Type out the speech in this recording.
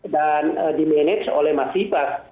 dan di manage oleh mas ibas